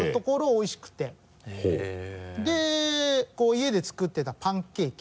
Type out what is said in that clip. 家で作ってたパンケーキ。